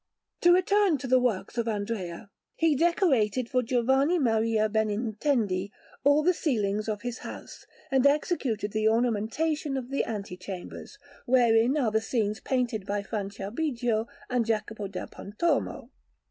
To return to the works of Andrea; he decorated for Giovanni Maria Benintendi all the ceilings of his house, and executed the ornamentation of the ante chambers, wherein are the scenes painted by Franciabigio and Jacopo da Pontormo.